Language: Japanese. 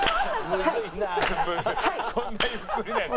むずいこんなゆっくりなやつ。